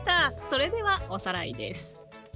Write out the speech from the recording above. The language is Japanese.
それではおさらいです。